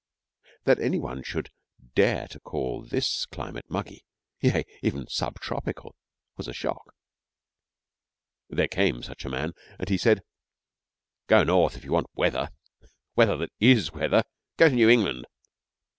That any one should dare to call this climate muggy, yea, even 'subtropical,' was a shock. There came such a man, and he said, 'Go north if you want weather weather that is weather. Go to New England.'